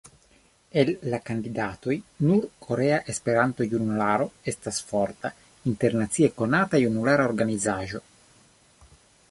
El la kandidatoj nur Korea Esperanto-Junularo estas forta, internacie konata junulara organizaĵo.